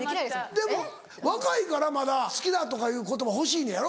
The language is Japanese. でも若いからまだ「好きだ」とかいう言葉欲しいのやろ？